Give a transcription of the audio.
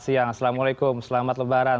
siang assalamualaikum selamat lebaran